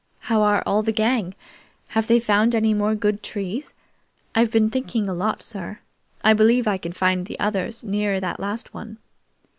How are all the gang? Have they found any more good trees? I've been thinking a lot, sir. I believe I can find others near that last one.